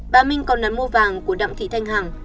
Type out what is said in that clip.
bà minh còn đặt mua vàng của đặng thị thanh hằng